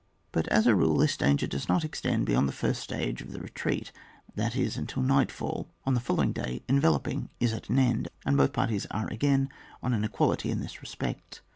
But as a rule this danger does not extend beyond the first stage of the re treat, that is, until night fall; on the following day enveloping is at an end, and both parties are again on an equality in this respect.